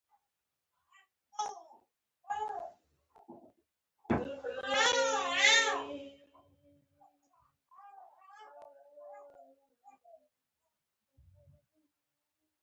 خپلو پوځي قوماندانانو ته هدایت ورکړ.